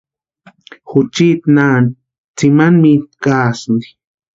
Juchiti naanti tsimani mitʼu kaasïnti.